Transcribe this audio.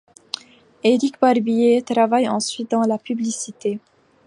Éric Barbier travaille ensuite dans la publicité.